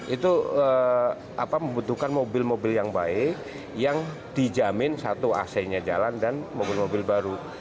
itu membutuhkan mobil mobil yang baik yang dijamin satu ac nya jalan dan mobil mobil baru